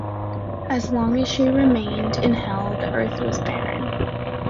As long as she remained in hell, the earth was barren.